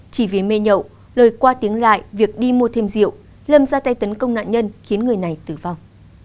chỉ vì mê nhậu lời qua tiếng lại việc đi mua thêm rượu lâm ra tay tấn công nạn nhân khiến người này tử vong